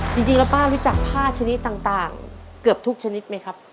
จริงแล้วป้ารู้จักผ้าชนิดต่างเกือบทุกชนิดไหมครับ